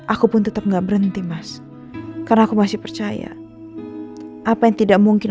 aku pun tetap enggak berhenti mas karena aku masih percaya apa yang tidak mungkin